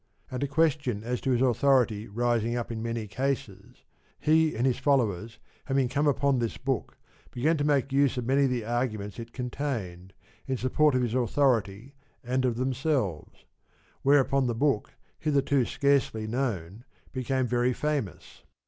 And a question as to his authority rising up in many cases, he and his followers, having come upon this book, began to make use of many of the arguments it contained, in support of his author ity and of themselves ; whereupon the book, hitherto scarcely known, became very famous.